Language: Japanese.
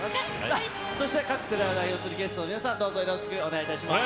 そして、各世代を代表するゲストの皆さん、どうぞよろしくお願いします。